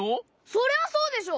そりゃそうでしょ？